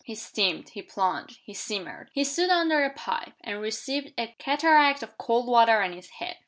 He steamed. He plunged. He simmered. He stood under a pipe, and received a cataract of cold water on his head.